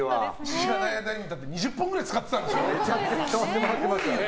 知らない間に２０本ぐらい使ってたんですよね。